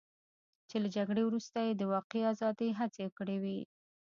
چې له جګړې وروسته یې د واقعي ازادۍ هڅې کړې وې.